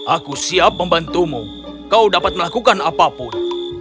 aku siap membantumu kau dapat melakukan apapun